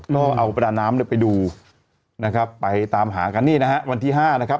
ก็เอาประดาน้ำเนี่ยไปดูนะครับไปตามหากันนี่นะฮะวันที่ห้านะครับ